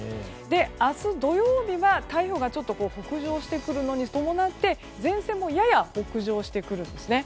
明日土曜日は台風が北上してくるのに伴って、前線もやや北上してくるんですね。